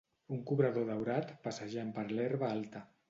Un cobrador daurat passejant per l'herba alta.